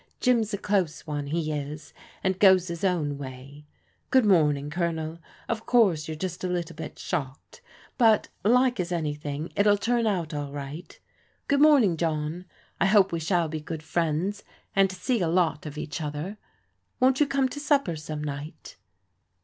Jim's a close one, he is; and goes his own way. Good morning, Colonel. ^ Of course you're just a little bit shocked, but like as anything it'll turn out all right. Good morning, John. I hope we shall be good friends, and see a lot of each other. Won't you come to supper some night